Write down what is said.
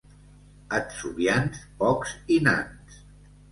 Atzuvians, pocs i nans.